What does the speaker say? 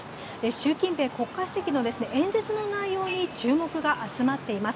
習近平国家主席の演説の内容に注目が集まっています。